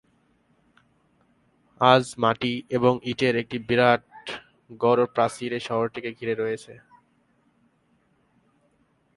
আজ মাটি এবং ইটের একটি বিরাট গড়-প্রাচীর এই শহরটিকে ঘিরে রয়েছে।